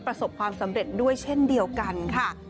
ประสบความสำเร็จด้วยเช่นเดียวกันค่ะ